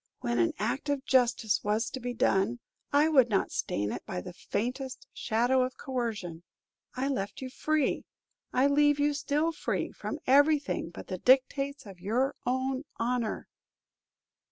When an act of justice was to be done, I would not stain it by the faintest shadow of coercion. I left you free, I leave you still free, from everything but the dictates of your own honor."